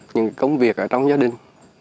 những công việc ở trong gia đình